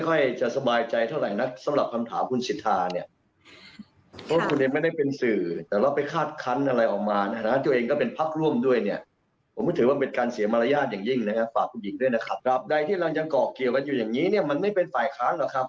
ใครจะมาจัดตั้งรัฐบาลเสียงข้างน้อยแข่งเรา